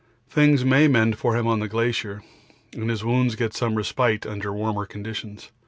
Things may mend for him on the glacier, and his wounds get some respite under warmer conditions.